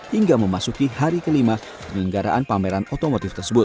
hingga memasuki hari kelima penyelenggaraan pameran otomotif tersebut